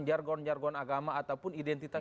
jargon jargon agama ataupun identitas